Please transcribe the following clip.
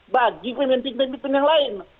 bagi pemimpin pemimpin yang lain